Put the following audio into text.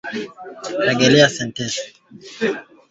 utahitaji sukari kikombe moja kwa ajili ya keki yako